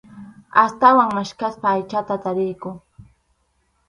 Astawan maskhaspa aychata tarinku.